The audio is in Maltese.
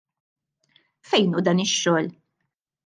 Fejn hu dan ix-xogħol?